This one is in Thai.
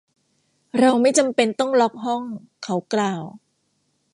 เราไม่จำเป็นต้องล็อคห้อง เขากล่าว